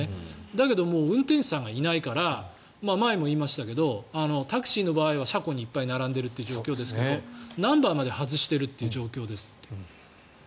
だけど運転手さんがいないから前も言いましたけどタクシーの場合は車庫にいっぱい並んでいるという状況ですがナンバーまで外しているという状況です。